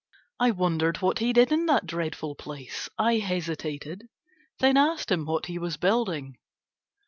I wondered what he did in that dreadful place. I hesitated, then asked him what he was building.